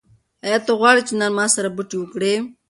ایا ته غواړې چې نن ما سره بوټي وکرې؟